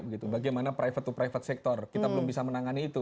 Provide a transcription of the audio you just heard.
bagaimana private to private sector kita belum bisa menangani itu